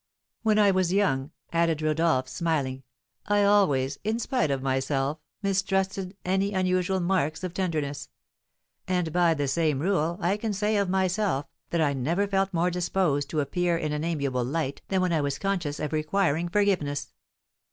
When I was young," added Rodolph, smiling, "I always, in spite of myself, mistrusted any unusual marks of tenderness. And, by the same rule, I can say of myself, that I never felt more disposed to appear in an amiable light than when I was conscious of requiring forgiveness.